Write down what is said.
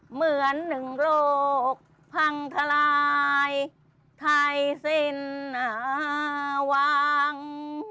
เหมือนหนึ่งโรคพังทลายไทยสิ้นวัง